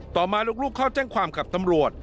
ต่อมาลูกเข้าแจ้งความกับตำรวจ